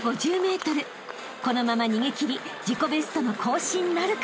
［このまま逃げ切り自己ベストの更新なるか？］